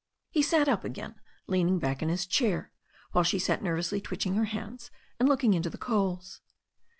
He sat up again, leaning back in his chair, while she sat nervously twitching her hands and looking into the coals.